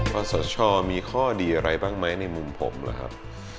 ขอสชมีข้อดีอะไรบ้างไหมในมุมผมหรือครับ